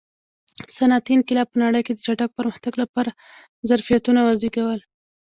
صنعتي انقلاب په نړۍ کې د چټک پرمختګ لپاره ظرفیتونه وزېږول.